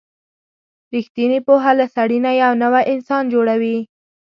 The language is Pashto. رښتینې پوهه له سړي نه یو نوی انسان جوړوي.